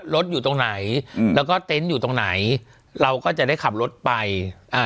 รถอยู่ตรงไหนอืมแล้วก็เต็นต์อยู่ตรงไหนเราก็จะได้ขับรถไปอ่า